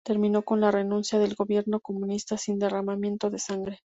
Terminó con la renuncia del gobierno comunista sin derramamiento de sangre.